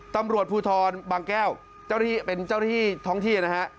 ตำรวจภูทรบางแก้วเป็นเจ้าที่ท้องที่นะฮะ